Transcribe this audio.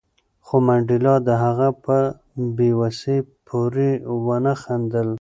خو منډېلا د هغه په بې وسۍ پورې ونه خندل.